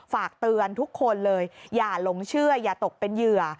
ฝากเตือนทุกคนเลยอย่าหลงเชื่ออย่าตกเป็นเหยื่อ